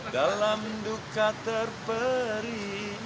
dalam duka terperi